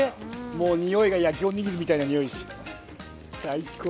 もう匂いが焼きおにぎりみたいな匂い最高